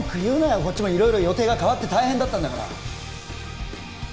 こっちも色々予定が変わって大変だったんだから